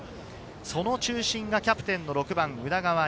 その中心がキャプテン、６番・宇田川瑛